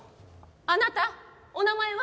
あなたお名前は？